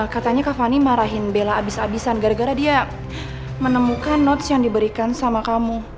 katanya kak fani marahin bella abis abisan gara gara dia menemukan notes yang diberikan sama kamu